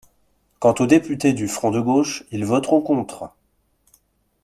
Quant aux députés du Front de gauche, ils voteront contre.